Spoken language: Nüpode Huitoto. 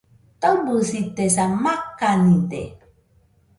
Taɨbɨsitesa , makanide